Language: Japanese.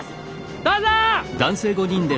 どうぞ！